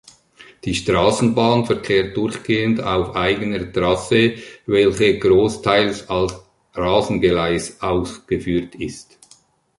Die Straßenbahn verkehrt durchgehend auf eigener Trasse, welche großteils als Rasengleis ausgeführt ist.